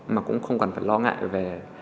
mà cũng không cần phải lo ngại về